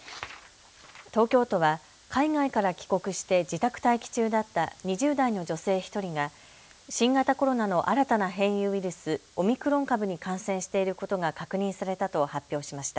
東京都は海外から帰国して自宅待機中だった２０代の女性１人が新型コロナの新たな変異ウイルス、オミクロン株に感染していることが確認されたと発表しました。